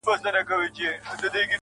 • د اوښکو ټول څاڅکي دي ټول راټول کړه.